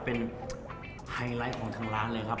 เป็นไฮไลท์ของทางร้านเลยครับ